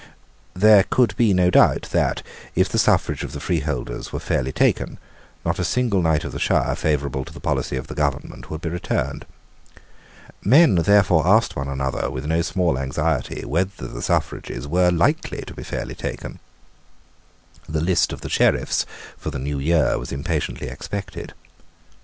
There could be no doubt that, if the suffrage of the freeholders were fairly taken, not a single knight of the shire favourable to the policy of the government would be returned. Men therefore asked one another, with no small anxiety, whether the suffrages were likely to be fairly taken. The list of the Sheriffs for the new year was impatiently expected.